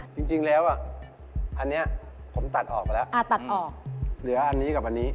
จริงแล้วอ่ะอันนี้ผมตัดออกไปแล้วตัดออกเหลืออันนี้กับอันนี้